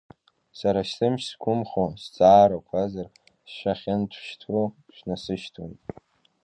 Сара сымч зқәымхо зҵаарақәазар, шәахьынашьҭтәу шәнасышьҭуеит.